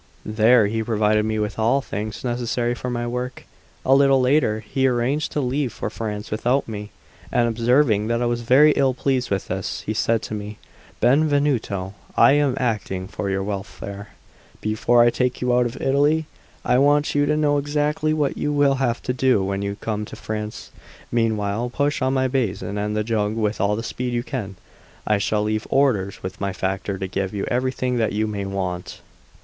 There he provided me with all things necessary for my work. A little later, he arranged to leave for France without me; and observing that I was very ill pleased with this, he said to me: "Benvenuto, I am acting for your welfare; before I take you out of Italy, I want you to know exactly what you will have to do when you come to France. Meanwhile, push on my basin and the jug with all the speed you can. I shall leave orders with my factor to give you everything that you may want."